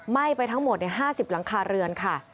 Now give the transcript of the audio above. ไปทั้งหมด๕๐หลังคาเรือนค่ะ